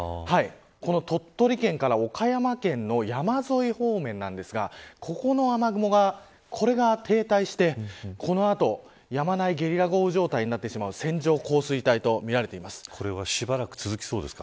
この、鳥取県から岡山県の山沿い方面なんですがここの雨雲がこれが停滞してこの後、やまないゲリラ豪雨状態になってしまうこれはしばらく続きそうですか。